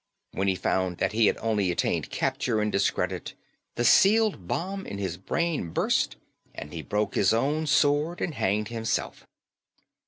When he found that he had only attained capture and discredit, the sealed bomb in his brain burst, and he broke his own sword and hanged himself."